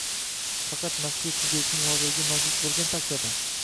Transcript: faqat mazkur subyektning roziligi mavjud bo‘lgan taqdirda